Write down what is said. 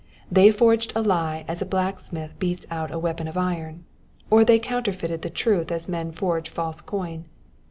They forged a lie as a blacksmith beats out a weapon of iron, or they counterfeited the truth as men forge false coin.